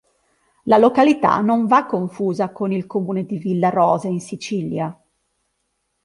La località non va confusa con il comune di Villarosa, in Sicilia.